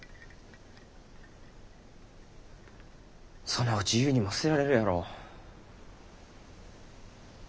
そのうち結にも捨てられるやろ？